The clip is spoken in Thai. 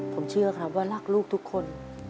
ผมเชื่อครับว่ารักลูกทุกคน